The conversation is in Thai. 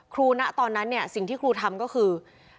ณตอนนั้นเนี่ยสิ่งที่ครูทำก็คือ